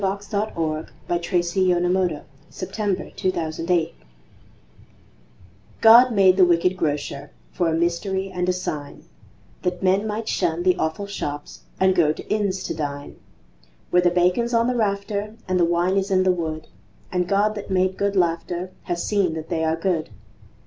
113197The Song Against GrocersGilbert Keith Chesterton God made the wicked Grocer For a mystery and a sign, That men might shun the awful shops And go to inns to dine; Where the bacon's on the rafter And the wine is in the wood, And God that made good laughter Has seen that they are good.